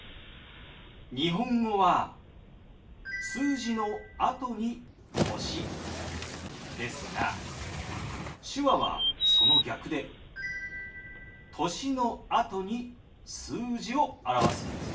日本語は数字のあとに歳ですが手話はその逆で歳のあとに数字を表すんですよ。